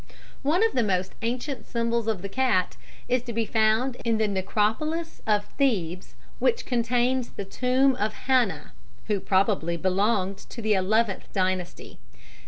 "One of the most ancient symbols of the cat is to be found in the Necropolis of Thebes, which contains the tomb of Hana (who probably belonged to the Eleventh Dynasty).